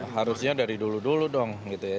harusnya dari dulu dulu dong gitu ya